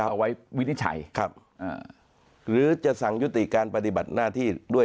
เอาไว้วินิจฉัยครับอ่าหรือจะสั่งยุติการปฏิบัติหน้าที่ด้วย